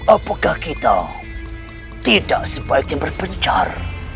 apakah kita tidak sebaiknya berpencar